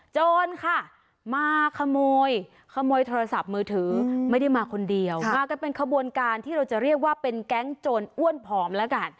โจรค่ะมาขโมยขโมยโทรศัพท์มือถือไม่ได้มาคนเดียวมากันเป็นขบวนการที่เราจะเรียกว่าเป็นแก๊งโจรอ้วนผอมแล้วกัน